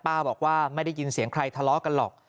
บอกว่าไม่ได้ยินเสียงใครทะเลาะกันหรอก